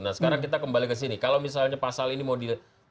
nah sekarang kita kembali ke sini kalau misalnya pasal ini mau di